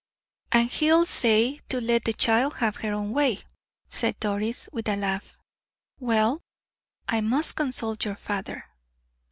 "And he'll say to let the child have her own way," said Doris, with a laugh. "Well, I must consult your father."